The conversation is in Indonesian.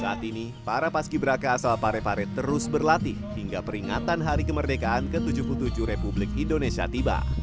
saat ini para paski beraka asal parepare terus berlatih hingga peringatan hari kemerdekaan ke tujuh puluh tujuh republik indonesia tiba